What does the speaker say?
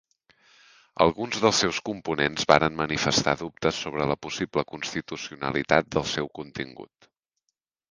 Alguns dels seus components varen manifestar dubtes sobre la possible constitucionalitat del seu contingut.